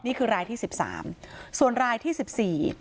นี่คือรายที่สิบสามส่วนรายที่สิบสี่